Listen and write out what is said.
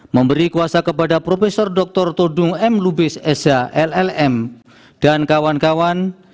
memberi kuasa kepada prof dr todung m lubis sh llm dan kawan kawan